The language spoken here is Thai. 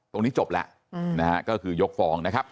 ตรงนี้จบแล้วนะฮะก็คือยกฟ้องนะครับ